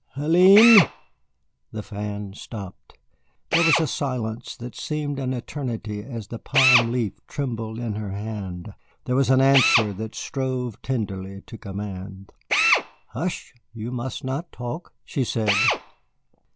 "Hélène!" The fan stopped. There was a silence that seemed an eternity as the palm leaf trembled in her hand, there was an answer that strove tenderly to command. "Hush, you must not talk," she said.